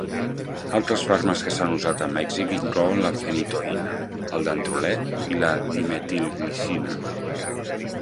Altres fàrmacs que s'han usat amb èxit inclouen la fenitoïna, el dantrolè i la dimetilglicina.